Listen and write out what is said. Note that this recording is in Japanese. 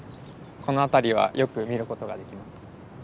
この辺りはよく見ることができます。